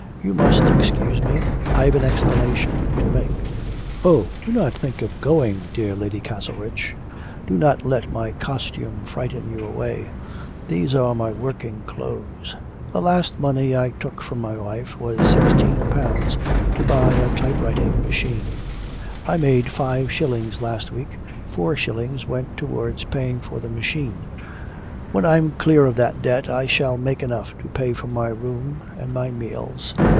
You must excuse me, I've an explanation to make. Oh, do not think of going, dear Lady Castlerich, do not let my costume frighten you away. These are my working clothes. The last money I took from my wife was sixteen pounds to buy a type writing machine. I made five shillings last week, four shillings went towards paying for the machine. When I am clear of that debt I shall make enough to pay for my room and my meals.